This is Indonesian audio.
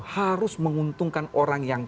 harus menguntungkan orang yang